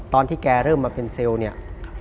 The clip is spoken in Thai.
ตอนที่แกเริ่มมาเป็นเซลล์เนี่ย